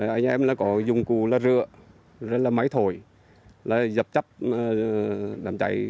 anh em có dùng cụ rửa máy thổi dập chấp làm cháy